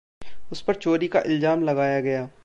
उसपर चोरी का इलज़ाम लगाया गया।